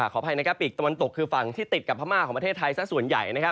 ขออภัยนะครับปีกตะวันตกคือฝั่งที่ติดกับพม่าของประเทศไทยสักส่วนใหญ่